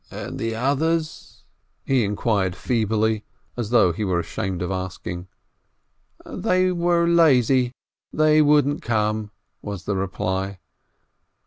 "And the others?" he inquired feebly, as though he were ashamed of asking. "They were lazy, they wouldn't come," was the reply.